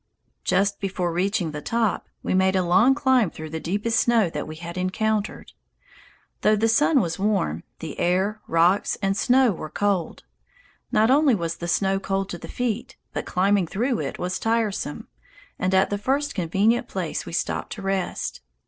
Just before reaching the top, we made a long climb through the deepest snow that we had encountered. Though the sun was warm, the air, rocks, and snow were cold. Not only was the snow cold to the feet, but climbing through it was tiresome, and at the first convenient place we stopped to rest.